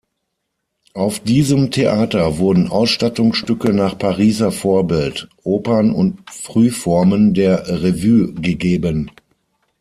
Auf diesem Theater wurden Ausstattungsstücke nach Pariser Vorbild, Opern und Frühformen der Revue gegeben.